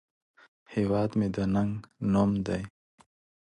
هیواد مې د ننگ نوم دی